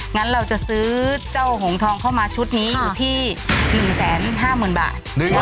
งั้นเราจะซื้อเจ้าหงทองเข้ามาชุดนี้อยู่ที่๑๕๐๐๐บาท